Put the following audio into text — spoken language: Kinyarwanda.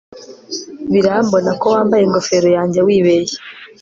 Birambona ko wambaye ingofero yanjye wibeshye